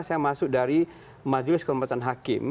saya masuk dari majelis kehormatan hakim